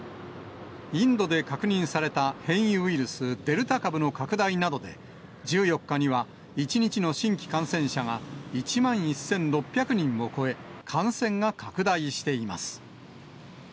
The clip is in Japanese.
インドで確認された変異ウイルス、デルタ株の拡大などで、１４日には、１日の新規感染者が１万１６００人を超え、感染が拡大しています。